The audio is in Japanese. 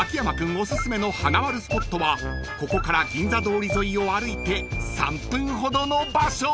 おすすめのはなまるスポットはここから銀座通り沿いを歩いて３分ほどの場所］